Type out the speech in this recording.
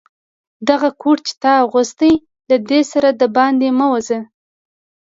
دغه کوټ چي تا اغوستی، له دې سره دباندي مه وزه.